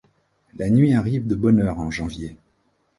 La nuit arrive de bonne heure en janvier.